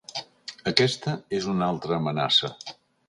Aquesta és una altra amenaça.